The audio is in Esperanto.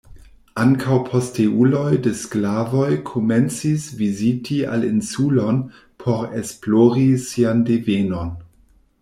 Ankaŭ posteuloj de sklavoj komencis viziti al insulon por esplori sian devenon.